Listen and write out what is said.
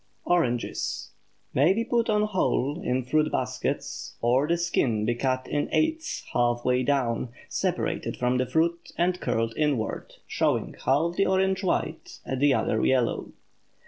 ORANGES May be put on whole in fruit baskets, or the skin be cut in eighths half way down, separated from the fruit and curled inward, showing half the orange white, the other yellow.